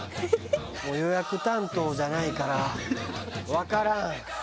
「予約担当じゃないからわからん」。